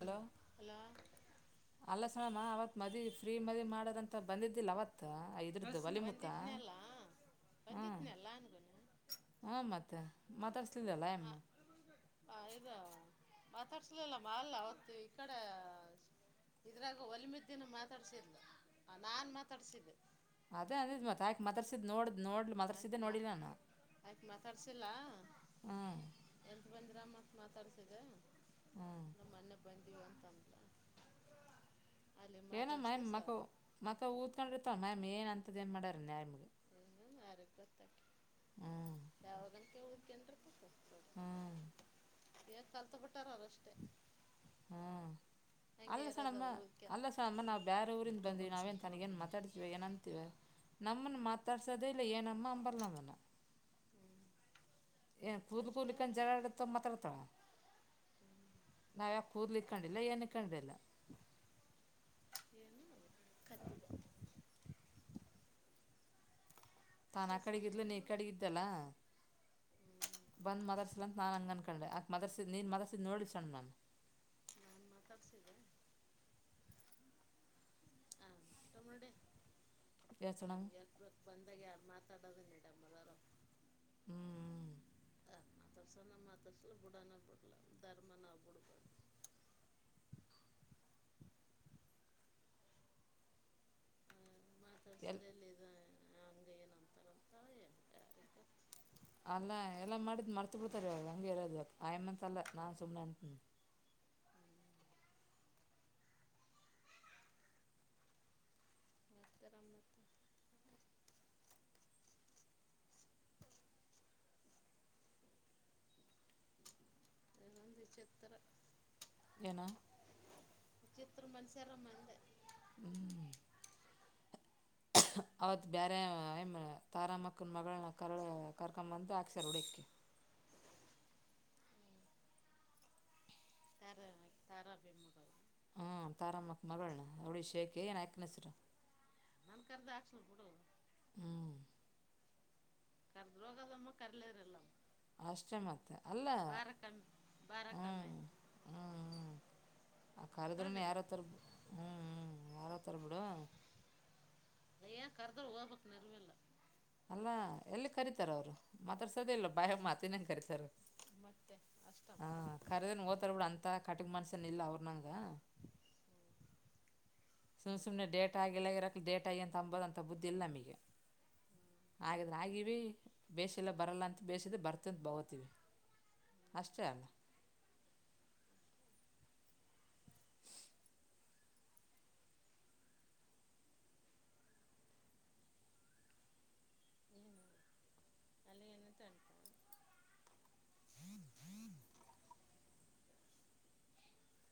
Hello, hello ಅಲ್ಲ ಸಲಾಮ ಅವತ್ ಮದಿ ಫ್ರೀ ಮದಿ ಮಾಡದಂತ್. ಬಂದಿದ್ದಿಲ್ಲ ಅವತ್ತ್. ಇದ್ರುದ್ದು ಒಲಿ ಮುಖ, ಬಂದಿದ್ನಲ್ಲ ಹೂ, ಬಂದಿದ್ನಲ್ಲ ಅನ್ಗುನು ಹಾ, ಮತ್ತೆ ಮಾತಾಡ್ಸ್ಲಿಂದಲ್ಲ ಎಮ್ಮ. ಮಾತಾಡ್ಸ್ಲಿಲ್ಲಮ್ಮ ಅಲ್ಲ ಅವತ್ತು ಈ ಕಡೆ, ಇದ್ರಾಗ ಹೊಲಿಮಿದ್ದಿನ ಮಾತಾಡ್ಸಿಸಿ, ನಾನ್ ಮಾತಾಡ್ಸಿದ್ದೆ. ಅದೇ ಅಂದಿದ್ತ್ ತಾಕ ಮತರ್ಸಿದ್ ನೋಡ್. ನೋಡ್ಲಿ ಮತಸಿದ್ದೇ ಆಯ್ತು ಮಾ ನೋಡಿಲ್ಲ ನಾನು, ಆಯ್ತು ಮಾತಾಡ್ಸಿಲ್ಲ ಹೂ. ಬಂದ್ರಮ್ಮತ್ ಮಾತಾಡ್ಸಿದೆ. ಹ್ಮೂ. ಬಂದವಿ, ಅಂತಂತ. ಏನಮ್ಮ ಮಖ, ಮಖ ಊತ್ಕೊಂಡ್ ಇರ್ತವಲಿ, ಇಲ್ಲಿ. ಪುಜ, ಮಾಡರ್ ಯ್ಯಮು. ಹ್ಮೂ, ಆಗತ್ತ ಹ್ಞೂ ಯಾವಾಗ. ಕೆಳಕ ಅಂತ್ರ ಕಸ. ಹಾ. ಎನ್ ಕಲ್ತ್ಬಿಟ್ಟಾರ ಅದಷ್ಟೇ. ಹೂ, ಅಲ್ಲ ಸಣಮ್ಮ, ಅವ್ರು ಓದ್ಕ ಅಲ್ಲ ಸಣ್ಣನಮ್ಮ, ಹ್ಞೂ ನಾವ್ ಬೇರೆ ಊರಿಂದ ಬಂದ್ವಿ, ಬಿಟ್ರುಗುಣ ನಾವೇನ್ ಸುಟ್ರು ತನಗೆನ್ ಹ್ಞೂ ಮಾತಾಡ್ತಿವಿ, ಏನಂತೀವ ನಮ್ಮನ್ ಮಾತ್. ತರ್ಸದೇ ಇಲ್ಲ, ಏನಮ್ಮ ಅಂಬಲ್ಲಾಮಣ್ಣ. ಏನ್ ಕೂದುಲ್, ಕೂದುಲ್ ಅಷ್ಟೇ ಇಡ್ಕ ಜಗಳ ಅವ್ರು ಆಡತ ಮಾತಾಡ್ತಳ. ನಾವ್ಯಾಕ ಕೂದ್ಲೂಇಕ್ಕೊಂಡಿಲ್ಲ, ಏನ್ ಇಕ್ಕೊಂಡಿಲ್ಲ. ಏನು ಕತ್ತಿದೆ ತಾನ್, ಅಕಡೆಗೆ ಸೂಸಕ್ಕೆ ಇದ್ಳು, ನೀ ಇಕಡೆ ಇದಲ್ಲ. ಹ್ಞೂ ಬಂದ್ ಮದರ್ಸಿಲ್ಲಂತ ನಾನ್ ಹಂಗ್ ಅನ್ಕೊಂಡೆ, ಆಕ ಮದರ್ಸಿದ ನೀನು ಮದರ್ಸಿದ ನೋಡಿಸಣ್ಣ ನಾನು. ನಾನು ಮಾತಾಡ್ಸಿದ್ದೆ ತಮ್ಮಡೆ. ಕೆಸ್ಣಾಮ್. ಬಂದಾಗ್ ಯಾರ್, ಮಾತಾಡೋದು ನೀಡಮ್ದಾರ. ಹ್ಮೂ, ಹ್ಮೂ, ಮತಡ್ಸು ಅನೋವ್ರು ಮತಡ್ಸು, ಬೀಡು ಅನ್ನೋ ರ್ನ ಬಿಡ್ಲ, ಧರ್ಮ ನ ಬಿಡು. ಮಾತಾಡ್ಸ್ರ ಎಲ್ಲಿ ಅಲ್ಲಿ ಇದ. ಹಾ, ಹಂದ್ರೆ ಏನ್ ಅಂತರೆ ಅಂತ. ಅಲ್ಲ, ಎಲ್ಲ ಮಾಡಿದು ಮರ್ತ ಬಿಡ್ತಾರೆ ಇವಾಗ, ಹಂಗೆರೋದವಾಗ, ಆಯಮ್ಮಅಲ್ಲ ನಾ ಸುಮ್ಮನೆ ಅಂತ ಇರ್ತೀವಿ. ನತರಾಮ್, ಮತ. ವಿಚತ್ರ. ಏನ. ಚಿತ್ರ ಮನ್ಸರ ಮಂಡೆ. ಹ್ಮೂ. ಅವತ್ತ್ ಬೇರೆ, ತಾರಾ ಮಕ್ಕನ್ ಮಗಳನ್ನ ಕರ್ಲ್ ಕರ್ಕೊಂಬಂದು ಹಾಕ್ಸಾರ ಹೊಡಿಹೊಕೆ. ತಾರ, ತಾರಬಿಗ್ ಮಡ್ಯಳ. ಹಾ, ತಾರಮ್ಮಕ್ಕ ಮಗಳನ ರೋಡಿಸೊಕೆ ಅಯಕ್ನ ಹೆಸರು. ನನ್ ಕರ್ದ ಆಕ್ಕ್ಷನ್ ಕೂಡಲ್ಲ ಹ್ಮ್ ಕರ್ದ್ ರೋಗದಮ್ಮ ಕರ್ಲೇರಲ್ಲ ಅಷ್ಟೇ ಮತ್ತೆ ಅಲ್ಲ ಕಮ್ಮಿ ಭಾರ ಕಮ್ಮಿ ಹ್ಮ್ ಆಯ್ತು ಹ್ಮ್ ಹ್ಮ್ ಆ ಕರೆದ್ರೂ ಹೌದಲ್ಲ ಯಾರಥರ ಹ್ಮ್ ಹ್ಮ್ ಯಾರೋಥರ ಬಿಡು ನ್ ಕರೆದ ಓಬಕ್ಕ ನೆರವೇಿಲ್ಲ ಅಲ್ಲಾ ಎಲ್ಲಿ ಕರೀತಾರ ಅವ್ರು ಮಾತಡ್ಸದೆ ಇಲ್ಲ ಬಾಯ ಮಾತಿನಂಗ ಕರೀತಾರ ಮತ್ತೆ ಅಷ್ಟಮ್ ಹಾ ಕರೆದರ್ ಅಂತ ಕಟಕ್ ಮನ್ಸನ ಇಲ್ಲ ಅವ್ರ ನಂಗ ಸುಮ್ಮನೆ ಸುಮ್ಮನೆ ಡೇಟ ಆಗಿಲ್ಲ ಇರಕ್ಲಿ ಡೇಟ ್ಯ ಅಂತ ಅಂಬೋದುಂತ ಬುದ್ಧಿಲ್ಲ ನಮಗೆ ಹಾಗಗಿದೆ ಆಗಿವ ಬೇಸಿಲ್ಲ ಬರಲ್ಲ ಅಂತ ಬೇಯಿಸಿದ ಬರ್ತಂತ ಬಗೋತೀವಿ ಅಷ್ಟೇ ಅಲ್ಲ ಏನು ಅಲ್ಲಿ ಏನಂತ ಅಾಣತ್ಮ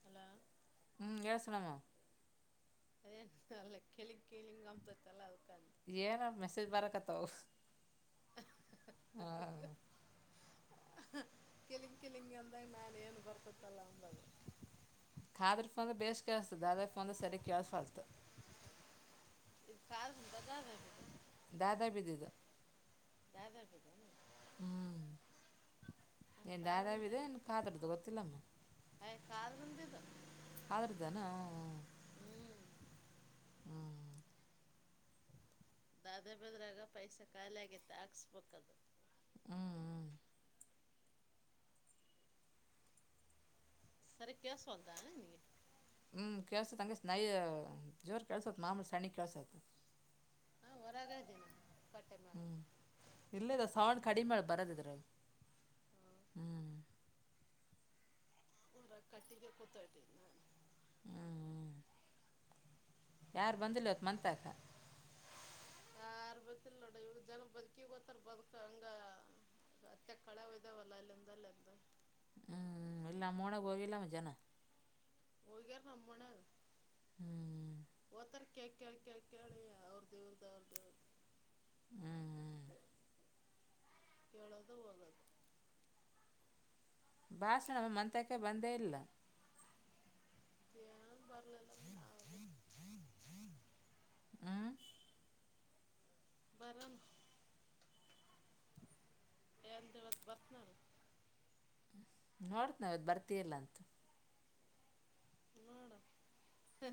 ಅಲ ಹ್ಮ್ ಯ ಸನಾಮ ಅದೇ ಅಲ್ಲ ಕೆಳಿ ಕಲಿಿಂಗ ಅಪತ್ತಲ್ಲ ಅದು ಏನ ಮೆಸೇಜ್ ಬರಕತ್ತಾವ ಹಾ ಕೆಲಿಂಗ್ ಕೆಲಿಂಗ ಅಂದಾಗ ನಾನ ಏನ್ ಬರ್ತತ್ತಲ್ಲ ಅಂದಾಗ ಕಾದ್ರ ಫೋನ್್ರೆ ಬೇಸ್ ಕೇಳಸ್ತದ ಅ್ರ ಫೋನ್್ರೆ ಸರಿ ಕೇಳಸಲ್ತ ಕ ಬಾದ ದಾದಾ ಬಿದ್ದಿದ ಯಾವಾವಾರಪಗ [unintelligible] ಹ್ಮ್ ನಾನು ನಿ ಕಾದ್ರಿಂದ ಏನ ದಾದಾವಿದೆನ್ ಕಾದ್ರದ್ದು ಗೊತ್ತಿಲ್ಲಮ್ಮ ಅಯ್ಯ ಕಾದ್ರಿಂದ ಇದು ಕಾದ್ರದ್ದಾನ ಹ್ಞೂ ಹ್ಮ್ ದಾದೆ ಬದ್ರಾಗ ಪೈಸಾ ಖಾಲಿ ಆಗೈತ್ತ ಹಾಕ್ಸ್ಬೇಕದು ಹ್ಮ್ ಹ್ಮ್ ಸ ಕ ಸೋದ ನಿ ನೀ ಹ್ಮ ಕಳ್ಸತ್ ಹಂಗ ನನಾಯ ಜೋರು ಕಳ್ಸೋತ್ ಮಾಮೂಲಿ ಸಣಿ ಕಳ್ಸತ್ತ ಹಾ ಹೊರಗ ಇದ್ದನೆ ಹ್ಞೂ ಇಲ್ಲಲ್ಲ ಸೌಂಡ್ ಬಾ ಕಡಿಮೆ ಮಾಡ ಬರೋದಿದ್ರ ಹ್ಞ ಹರ ಕಟ್ಟಿಗೆ ಕೂತಾತೀನಿ ನಾನ ಹ್ಮ್ ಯಾರು ಬಂದಿಲ್ಲ ಹೊತ್ತು ಮಂತಕ ಯಾರು ಬತಿಿಲ್ಲ ನೋಡ ಇವ ಜನ ಬದುಕಿ ಗೊತ್ತಾರ ಬದುಕ ಹಂಗ ಅತ್ತೆ ಕಳ ಇದ್ದಾವಲ್ಲ ಅಲ್ಲಿಂದಲ್ಲಿಂದ ಹ್ಮ್ ಇಲ್ಲ ಮೋಳಗ ಹೋಗಿಲ್ಲ ಮ ಜನ ಓೋಗಗಾರ ನಮ್ಮಣ ಹ್ಮ್ ಒತ್ತ ಕ ಕ ಕೇಳ ಅವ್ರ್ದೇವ್ರದ್ದ ಅವ್ರದ್ರ್ದ ಹ್ಮ್ ಹ್ಮ್ ಎಳೋದ ಹೋಗದು ಭಾಷಣಮ್ಮ ಮತ್ರಕ್ಕೆ ಬಂದೇ ಇಲ್ಲ ಹ ಹನ್ ಹ ಹ ಆ ಬರಣ ಅಂತ ಹೇಳತ್ ಬರ್ತ್ನಾರ ನೋಡ್ತ ನಾವದ್ ಬರತಿಲ್ಲ ಅಂತ ಹಡ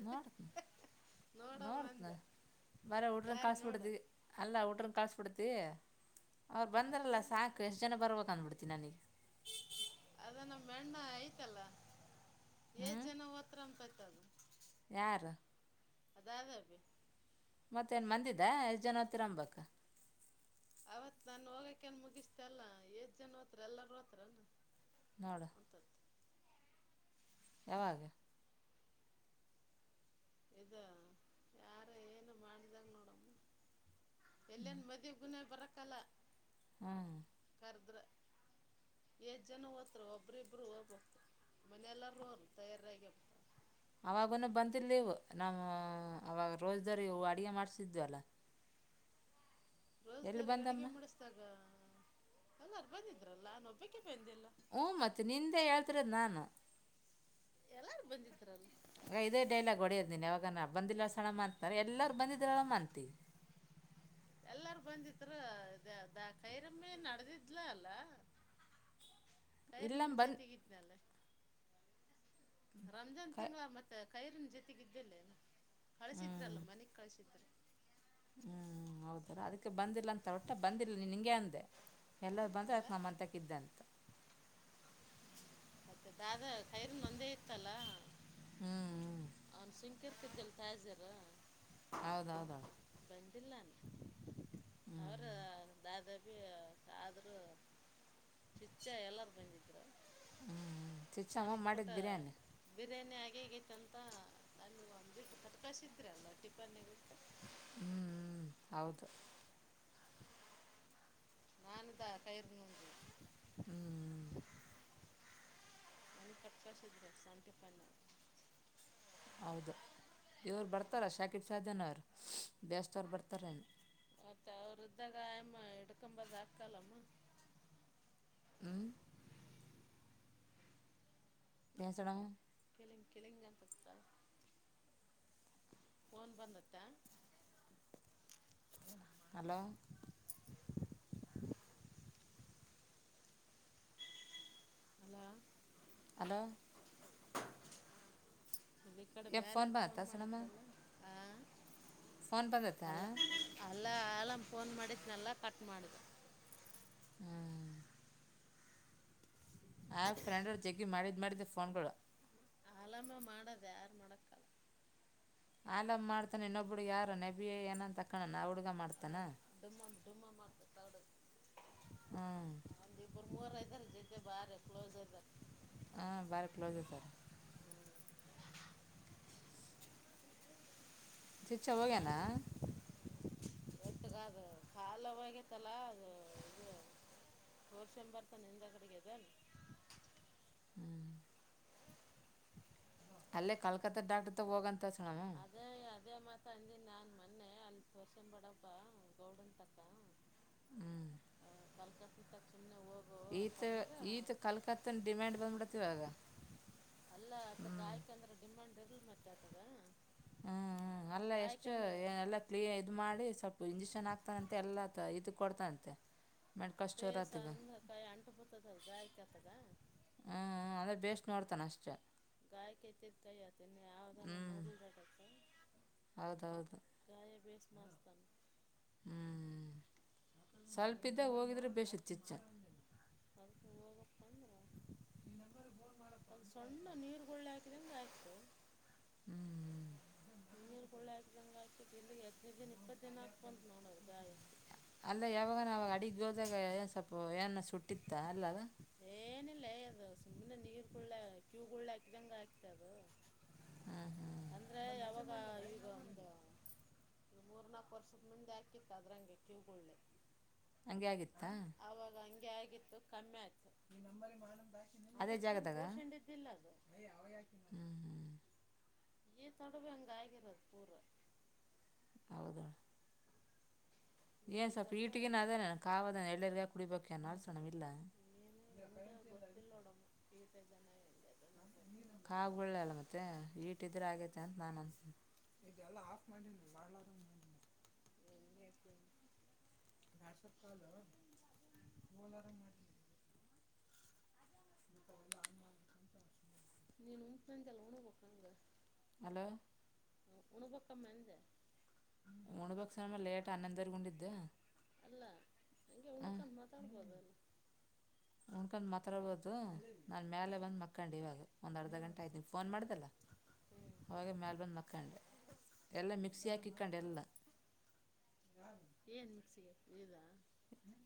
ನೋಡ್ತ್ನ ನೋಡಮ್ಮ ನೋಡತನ ಅಂದೆ ಬರ ಹಡ್ರನ್ ದಾರಿ ನೋಡು ಕಳ್ಸಬಿಡಿದ ಅಲ್ಲ ಹಡ್ರನ್ ಕಳ್ ತಹ ಅವ್ ಬಂದ್ರಲ್ಲ ಅಷ್ಟಮಿ ಸಾಕು ಎಷ್ಟ್ ಜನ ಬರ್ಬೇಕಕ್ಂದ್ಬಿಡ್ತೀನಿ ನನಗೆ ಮಣ್ಣ ಆಯತಲ್ಲ ಎಏಜ್ ಹ್ಞೂ ಜನ ತ್ರಪತಿ ಯಾರು ಅದಾದ ಅಬ ಮತ್ತೇನ್ ಮಂದಿದ ಎಷ್ಟ್ ಜನ ಹೊತ್ತರಂಬಬೇಕ ಅವತ್ ನನ್ ಹೋಗಕನ್ ಮುಗಿಸ್ತ ಅಲ್ಲಾ ಏಜ್ ಜನ ೋತ್ರಾರ ಎಲ್ಲಾರ ಹತಾರ ನಡ ಎಾವಾಗ ಇದ ಯಾರ ಏನು ಮಾಡಿದಾಗ ನೋಡಮ್ಮ ಎಲ್ಲನ್ ಮದೆ ಕಲ ಹ್ಮ್ ಎಏಜ್ ಜನ ಹೋತ್ರು ಒಬರಿಿಬ್ರು ಹೋಗ್ಬೇಕು ಮನೆೆಯಲ್ಲಾರೂ ಅವರು ತಯಾರಾಗಿರ್ ಅವಾಗನು ಬಂತಿಿಲ್ಲಲವು ನಮ್ಮ ಅವಾಗ ರೋಜ್ದಾರಿ ಅಡಗೆ ಮಾಡ್ಸಿದ್ವಲ್ಲ ರೋಜ್ದಾರ ಅಡಗೆ ಮುಡಿಸ್ದಾಗ ಎಲ್ಲಾರು ಬಂದಿದ್ರಲ್ಲ ನಾನ ಒಬ್ಬಕ್ಕೆ ಬಂದೆಿಲ್ಲ ಹ್ಮ ಮತ್ೆ ನಿಂದೆ ಹೇಳ್ದ್ರೆ ನಾನು ಎಲ್ಲಾರು ಬಂದಿಿದ್ರಲ್ ಆಗ ಇದೇ ಡೈಲಾಗ್ ಹೊಡೆಯರ್ದೀನಿ ಯಾವಾಗ ನ ಬಂದಿಲ್ಲ ಸಣ ಅತಾರ ಎಲ್ಲಾರು ಬಂದಿದ್ರಳ ಅಂತ ಎಲ್ಲಾರ ಬಂದತ್ರು ದ ಕೈರಂಬಿ ನಡೆದಿದ್ಲ ಅಲ್ಲ ಕೈರ್ ನಮ ಇಲ್ಲಮ್ಮ ಬಂದು ಜೊತೆಗಿದಲ್ಲ ರಂಜಾನ್ ಕ ತಿಂಗ್ವಾ ಮತ್ತೆ ಕೈರಿನ ಜೊತೆಗ ಇದ್ದಲ್ಲನ ಕಳಸಿದ್ರಲ್ಲ ಮನೆಕ್ ಕಳಸಿದ್ರ ಹ್ಮ್ ಹೌದಾರ ಅದಕ್ಕೆ ಬಂದಿಲ್ಲ ಅಂತ ಹೊಟ್ಟು ಬಂದಿಲ್ಲ ನೀನು ನಿಂಗೆ ಅಂದೆ ಎಲ್ಲರೂ ಬಂದರೆ ಇಲ್ಲ ಅದಕ್ಕೆ ನಮ್ಮಂತಕ್ಕ ಇದಿದ್ದೆಂತ ಮತ್ತೆ ದಾದ ಕೈರ್ ಮಂದೆ ಇತ್ತಲ್ಲ ಹ್ಮ್ ಹ್ಮ್ ಕರ್ಕಿದ್ದಲ್ ತಾಜರಾ ಹೌದೌದಾಳ ಇಲ್ಲೇನು ಅವರ ದಾದ ಆದ್ರೂ ಪಿಚ್ಚ ಎಲ್ಲಾರ ಬಂದಿದ್ರು ಹ್ಮ್ ಚಮ್ಮ ಮಾಡಿದ್ ಬಿರಯಾನಿ ಇದ್ರೇನೇ ಆಗಗೈತ್ತುಂತ ನಲ್ಲಿ ಒಂದು ಬತಕಸಿದ್ರಲ್ಲ ಟಿಫನ್ಟ್ಟ ಹ್ಮ್ ಹ್ಮ್ ಹೌದು ನಾನುದಾ ಕೈರ್ನಂದ ಹ್ಮ್ ಅ ಪಕ ಸ್ರ ಸಂಕ ಪ ಹೌದ ಇವ್ರು ಬರ್ತಾರ ಶಾಕಿಟ್ ಸಧನ ಅವರು ಬೇಸ್ವರು ಬರ್ತಾರೇನು ಮತ್ತೆ ಅವ್ರ ಇದ್ದಾಗ ಆಮ್ಮ ಹಿಡ್ಕೊಂಬದ ಹಾಕಲ್ಲಮ್ಮ ಹ್ಮ್ ಸ್ಣ ಕೆಳಂಗಾ ಪಕ್ಕ ಪೊನ್ ಬಂದತ್ತ ಹಲೋ ಅಲ ಅಲ [inaudible] ನೀ ಈ ಕಡೆ ಏ ಬೇರೆ ಯಾರು ಫೋನ್ ಬಂದತ್ತಾ ಸಣಮ್ಮ ಮಾಡಿದ್ರಲ್ಲ ಆ ಫೋನ್ ಬಂದತ್ತ ಎಲ್ಲ ಆಲಾಮ್ ಫೋನ್ ಮಾಡಿದ್ದನೆೆಲ್ಲ ಕಟ್ ಮಾಡ್ದ ಹ್ಞೂ ಆ ಫ್ರೆಂಡ್ ಅವ್ ಜೆಗಿ ಮಾಡಿದ್ ಮಾಡ ಫೋನ್ ಕೊಡ ಆಲಾಮ ಮಾಡದು ಯಾರು ಮಾಡಕ್ಕಲ್ಲ ಆಲಾಮ್ ಮಾಡ್ತಾನೆ ಇನ್ನೊಬ್ಬಡು ಯಾರು ನೆ ಏನ ಅಂತ ತಕ್ಕಣ ನ ಯಗ ಮಾಡ್ತಾನ ರುಮ ಮಾಡ ತಾಡ ಹ್ಮ್ ಇರ್ ಮೂರ ಇದ್ದಾರೆ ಜೊತೆ ಬಾರೆ ಕ್ಲೋಸ್ ಇದಾರೆ ಹ ಬಾರಿ ಕ್ಲೋಜ್ ಆತಾರ ಚುಚ್ಚ ಹೋಗ್ಯನಾ ಗಟ್ಟಗ ಅದು ಕಾಲವೇತ್ತಲ್ಲ ಅದು ಇ ತೋರ್ಷನ್ ಬರ್ತಾನ ನಿನ್ ದ ಕಡೆಗೆದ [inaudible] ಅಲ್ಲೇ ಕಲ್ಕತ್ತಾ ಡಾಕ್ಟರ್ ತ ಹೋಗ ಅಂತ ಅದೇ ಅದೇ ಮಾತ ಅಂದಿ ನಾನ್ ಮೊನ್ನೆ ಅಲ್ಲಿ ತೋರ್ಸನ್ ಬಡಬ್ಬಾ ಗೌಡನ್ ತಕ್ಕ ಹ್ಮ್ ಕಲ್ ಕಾತಿ ತ ಈತ ಈತ ಕಲ್ಕತ್ತನ ಡಿಮ್ಯಾಂಡ್ ಬಂದ್ಬಿಡ್ತೀವಾಗ ಹ್ಞ ರದ ಮಾತಾತದ ಹ್ಮ್ ಹ ಅಲ್ಲ ಎಷ್ಟು ಎಲ್ಲ ಕ್ಲೀ ಇ ಮಾಡಿ ಸ್ವಲ್ಪ ಇಂಜೆಕ್ಷನ್ ಹಾಕ್ ಆಗ್ತಾನಂತೆ ಎಲ್ಲಾ ಇದ ಕೊಡ್ತಂತೆ ಪೇಸ ಅಂಧ ಕಾಯಿ ಅಂಟು ಪಡ್ತದ ಗಾಯ್ತ ಹ್ಮ್ ಅದ ಬೇಸ್ ನೋಡ್ತಾನ ಅಷ್ಟೇ ಗಾಯ ಕೈತ್ತಿದ್ ಕೈ ಆತನ್ನು ಹ್ಞೂ ಯಾವದಾನ ನೋಡ್ಲ್ತ್ತ ಹೌದೌದು ಗಾಯ ಬೇ [inaudible] ಹ್ಮ್ ಚುಚ್ಚ ಸಣ್ಣ ನೀರ್ ಗಳ್ಳೆ ಹಾಕಿದಂದ ಆಯ್ತು ಹ್ಮ್್ಮ ನೀರ್ ಕಳ್ಳೆ ಆಕಂಗಗೆ ಆಕ ಇಲ್ಲಿಗೆ ಹತ್ತನೇ ದಿನ ಇಪ್ಪತ್ತು ದಿನ ಆಕ್ ಬಂತತ್ ನೋಡ ಬಾಳಿ ಯಾವಾಗ ನಾ ಅಡಿ ಗೋದ ಸಪ್ಪ ಏನ ಸುಟ್ಟಿತ್ತ ಅಲ್ಲ ಏನಿಲ್ಲ ಅದು ಸುಮ್ಮನೆ ನೀರ್ ಕುುಳ್ಳ ಕ್ಯೂ ಗುಳ್ಳ ಹಾಕದಂಗ ಆಕ್ತ ಅದು ಹ್ಞೂ ಹ್ಞೂ ಅಂದ್ರೆ ಯಾವಾಗ ಈಗ ಒಂದು ಈ ಮೂರ್ ನಾಕು ವರ್ಷದ ಮುಂದೆ ಆಾಕಿತ್ತು ಅದ್ರಂಗೆ ಕಿವಗಳೆ ಹಂಗ ಆಗಿತ್ತಾ ಆಗಿತ್ತು ಕಮ್ಮಿ ಆಯ್ತು ಈ ನಂಬರಿ ಮಾಡಂದ ಅದೇ ಅ್ರ ದೋಷ ಹಂಡಿದ್ದಿಲ್ಲ ಅದು ಅಯ್ಯ ಅವ ಯಾಕೆ ನಂಗೆ ಹ್ಮ್ ಹ್ಮ್ ಈ ತಡುುವ ಹಂಗ ಆಗಿರೋದು ಪೂರ ಹೌದ ಈ ಏನ್ ಸ ತಗಲ ವೀಟಿಗೆ ನ ಹೆಂಗೆ ಅದೇ ನನ್ ಕಾವದ ಎಳ್ಳರ್ಗಾ ಕುಡಿ ಪೋಕ ನಾಸಣವ ಇಲ್ಲ ನೊ ವಜನ ಕಾಗಳ್ಳ ಅಲ್ಲ ಮತ್ತೆ ಈಟಿದ್ರೆ ಆಗೇತೆ ಅಂತ ನಾನ್ ಅನ್ಂತನ ಅಲ್ಲ ಆಫ್ ಮಾಡಾರಾಮ ಮಾಡ ಕಾಮ ಮಾಡ ನೀನುನಜ ಲೋಣ ಕೊಕಂಗ ಅಲೋ ಹ್ಮ ಉಣ ಪಕ್ಕ ಮಂದ ಉಣಬಕ್ ಲೇಟ್ ಅನ್ನಂದರ್ಗೊಂಡಿದ್ದ ಅಲ್ಲ ಹಂಗೆ ಉಂಡಕಂದ ಮಾತಾಡ್ಬೋದು ಉಣ್ಕೊಂಡು ಮಾತಾಬೋದು ಹ್ಞೂ ನಾನು ಮ್ಯಾಲಲೆ ಬಂದು ಮಕ್ಕಂಡು ಇವಾಗ ಒಂದು ಅರ್ಧ ಗಂಟೆ ಆಯತು ನಿಗೆ ಫೋನ್ ಮಾಡ್ದಲ್ಲ ಹ್ಞೂ ಅವವಾಗ ಮ್ಯಲೆ ಬಂದು ಮಕ್ಕಂಡೆ ಎಲ್ಲ ಮಿಕ್ಸಿ ಹಾಕಿಕ್ಕೊಂಡು ಎಲ್ಲ ಹ ಏನ್ ಮಿಸಿಗೆ ಇದದಾ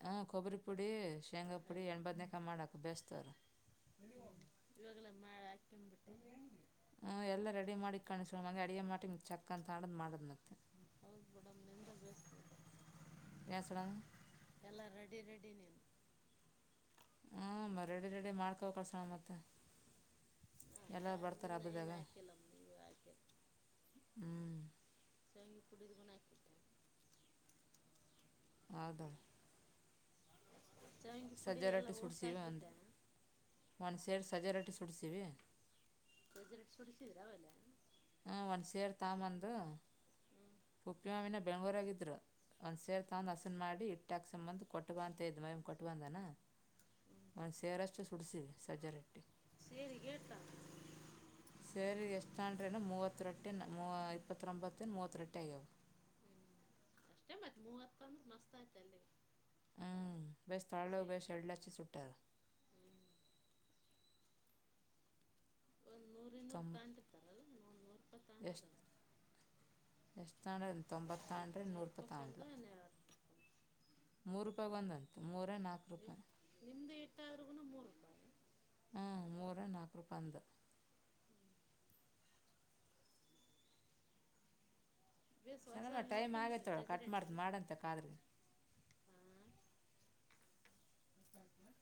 ಹಾಂ ಕೊಬ್ಬರಿ ಪುಡಿ ಶೇಂಗಾ ಪುಡಿ ಅಲ್ಲ ಹೆಣ್ಣು ಬದನೇಕಾಯಿ ಮಾಡಾಕ ಬೇಸ್ತವ್ರ ಮಳೆ ಹಾಕನ್ ಬಿಟ್ಟೆ ಹ್ ಎಲ್ಲ ರೆಡಿ ಮಾಡಿ ಕಾಣಿಸ ಮೆ ಅಡಿಯ ಮಾಡಿ ಚಕ್ ಅಂತ ಆಡ್ ಮಾಡದ್ ಮತ್ತೆ ಹಳಬೇಡಮ್ ನಿಂದ ಬಳಸ್ತ ಸ್ಳ ಎಲ್ಲ ರೆಡಿ ರೆಡಿ ನೀನು ಹ ರೆಡಿ ರೆಡಿ ಮಾಡ್ಕೊ ಕಳ್ಸೋಣ ಮತ್ತೆ ಎಲ್ಲರ ಬರ್ತಾರೆ ಅದನ್ನು ಏನು ಹಬ್ಬದಾಗ ಹಾಕಿಲ್ಲಮ್ಮ ನೀವು ಹಾಕಿಲ್ಲ ಹ್ಮ್ ಸ ಪಡದುಗ ಆಕತ ಹೌದ ಶಾವಿಗೆ ಪುಡಿ ಎಲ್ಲ ಸಜ್ಜರಟ್ಟಿ ಓಸ್ಟ್ ಸುಡಸಿವ ಅಂದು ಹಾಕಿಬಿಟ್ಟೆ ಮನ ಸೇರ್ ಸಜಾರಾಟಿ ಸುಡಿಸವಿ ಜ ಕುಡಿಸಿದರ ಅವೆಲ್ಲ ಹಾಂ ಒಂದು ಸೇರು ತಗೊಂಬಂದು ಹ್ಞೂ ಹ್ಞೂ ಉಪ್ಪಿ ಮಾವಿನ ಬೆಂಗ್ಳೂರಾಗಿದ್ರು ಒಂದು ಸೇರು ತಗಂದು ಹಸನ ಮಾಡಿ ಹಿಟ್ಟು ಹಾಕಸಂಬಂದು ಕೊಟ್ಟ ಬ ಅಂತ ಇದ್ದು ಮಮ ಕೊಟ್ಟು ಬಂದಾನ ಹ್ಞೂ ಒಂದು ಸೇರಷ್ಟು ಸುಡಿಸಿ ಸಜ್ಜ ರಟ್ಟಿ ಸೇರಿ ಹೇಳ್ತಾ ಸೇರಿ ಎಷ್ಟು ತಂಡ್ರೇನು ಮೂವತ್ತು ರೊಟ್ಟಿನಿನ ಇಪ್ಪತ್ತೊಂಬತ್ತಿನ ಮೂವತ್ತು ರೊಟ್ಟಿ ಆಗ್ಯವು ಆತ್ ಮಸ್ತ ಆತಲ್ಲಿ ಹ್ಮ ಬಯ್ ತಥಳ ಬ ಶೆಡ್ಲಚೆ ಸಟ್ಟೆದ ಹ್ಞೂ ಒಂದ್ ನೂರ್ ಇನ್ನೂರ್ ತೊಂ ತಂತಿರ್ತಾರದು ಎಷ್ಟು ಎಷ್ಟು ತಾಂಡ್ರ ತೊಂಬತ್ತಾಂಡ್ರ ಎಷ್ಟು ಮೂರು ರೂಪಾಯಿ ನೂರಪತ್ತಾಂಡಲ ಒಂದು ಎರಡು ರೂಪಾಯಿ ಮೂ ರೂಪಾಯಿ ಬಂದಂತಂತೆ ಮೂ ನಾಲ್ಕು ನೀವು ರೂಪಾಯಿ ನಿಮ್ಮದು ಇಟ್ಟಾದ್ರೂ ಮೂರು ರೂಪಾಯಿ ಹಾ ಮೂರ ನಾಲ್ಕು ರೂಪಾಯಿ ಅಂದು ಬೇಸ್ ವರ್ಷ ಸಣಮ್ಮ ಅಲ್ಲಿ ಟೈಮ್ ನೋಡ್ಕೊಂಬಿಟ್ರಿ ಆಗೈತ್ತ ಅವ್ಳ ಚಜಿ ಕಟ್ ಮಾಡ್ದ ಮಾಡಂತ ಕಾದ್ರಿ ಹ್ಮ ಹ